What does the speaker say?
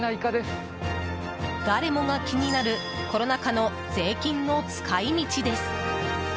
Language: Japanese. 誰もが気になるコロナ禍の税金の使い道です。